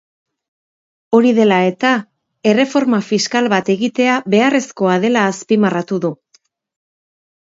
Hori dela eta, erreforma fiskal bat egitea beharrezkoa dela azpimarratu du.